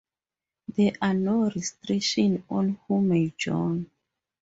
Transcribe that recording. There are no restrictions on who may join.